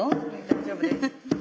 大丈夫です。